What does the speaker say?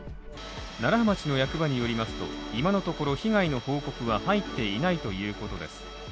楢葉町の役場によりますと、今のところ被害の報告は入っていないということです。